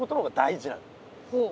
ほう。